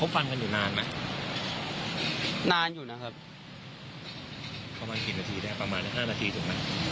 ฟันกันอยู่นานไหมนานอยู่นะครับประมาณกี่นาทีได้ประมาณห้านาทีถูกไหม